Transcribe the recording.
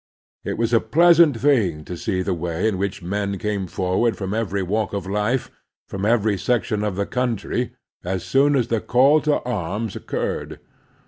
It was a pleasant thing to see the way in which men came forward from every walk of life, from every section of the country, as soon as the call to arms occurred.